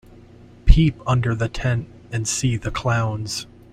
Peep under the tent and see the clowns.